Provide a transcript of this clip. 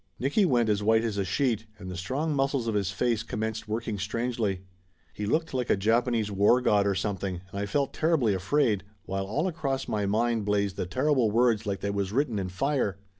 Nicky went as white as a sheet and the strong mus cles of his face commenced working strangely. He looked like a Japanese war god or something and I felt terribly afraid, while all across my mind blazed the terrible words like they was written in fire.